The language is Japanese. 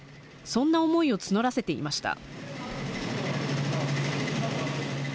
そんな思いを募らせていました。